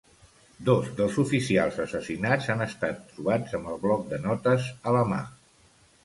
Dos dels oficials assassinats han estat trobats amb el bloc de notes a la mà.